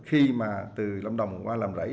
khi mà từ lâm đồng qua làm rẫy